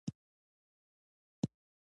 افغانستان د ښتې کوربه دی.